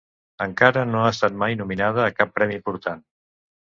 Encara no ha estat mai nominada a cap premi important.